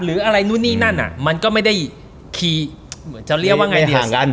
หรืออะไรนู่นี่นั่นมันก็ไม่ได้คีย์จะเรียกว่าไงดีกว่า